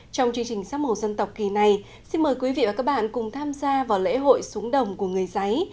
trong chương trình sắp màu dân tộc kỳ này xin mời quý vị và các bạn cùng tham gia vào lễ hội súng đồng của người giấy